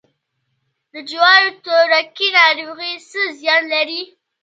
د جوارو تورکي ناروغي څه زیان لري؟